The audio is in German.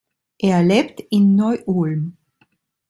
Er lebt in Neu-Ulm.